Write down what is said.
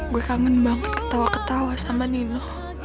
gue kangen banget ketawa ketawa sama nino